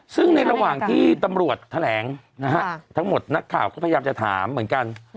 ซึ่งในระหว่างที่ตำรวจแถลงนะฮะทั้งหมดนักข่าวก็พยายามจะถามเหมือนกัน